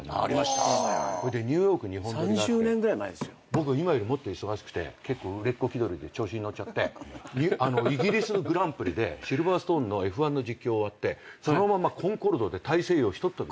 僕今よりもっと忙しくて結構売れっ子気取りで調子に乗っちゃってイギリスグランプリでシルバーストーンのＦ１の実況終わってそのままコンコルドで大西洋ひとっ飛び。